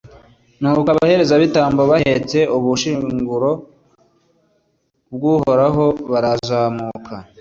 nuko abaherezabitambo bahetse ubushyinguro bw’uhoraho barazamuka.